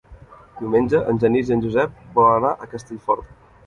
Diumenge en Genís i en Josep volen anar a Castellfort.